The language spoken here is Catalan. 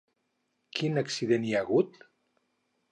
Quin accident hi ha hagut?